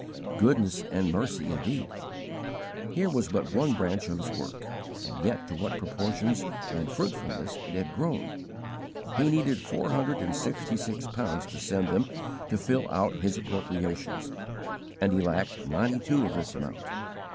Goodness and mercy indeed! Here was but one branch of his work, and yet to what proportions and fruitfulness it had grown! He needed four hundred and sixty six pounds to send them to fill out his appropriations, and he lacked ninety two of this amount.